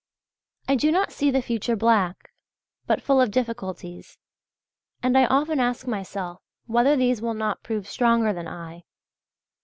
{X} I do not see the future black, but full of difficulties, and often I ask myself whether these will not prove stronger than I.